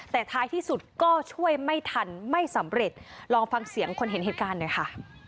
แต่ท้ายที่สุดก็ช่วยไม่ทันไม่สำเร็จลองฟังเสียงคนเห็นเหตุการณ์หน่อยค่ะ